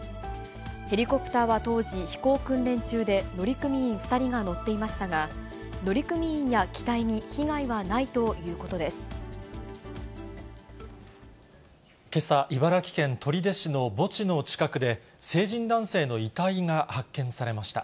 ヘリコプターは当時、飛行訓練中で、乗組員２人が乗っていましたが、乗組員や機体に被害はないというけさ、茨城県取手市の墓地の近くで、成人男性の遺体が発見されました。